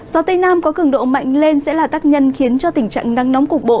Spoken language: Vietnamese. gió tây nam có cường độ mạnh lên sẽ là tác nhân khiến cho tình trạng nắng nóng cục bộ